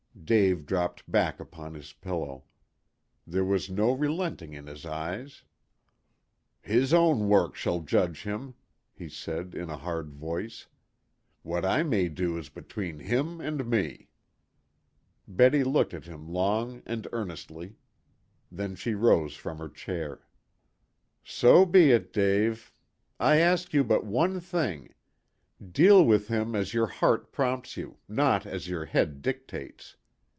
Dave dropped back upon his pillow. There was no relenting in his eyes. "His own work shall judge him," he said in a hard voice. "What I may do is between him and me." Betty looked at him long and earnestly. Then she rose from her chair. "So be it, Dave. I ask you but one thing. Deal with him as your heart prompts you, and not as your head dictates.